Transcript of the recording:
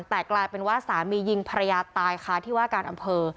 แต่กลายเป็นว่าสามียิงภรรยาตายค่ะที่ว่าการอำเภอ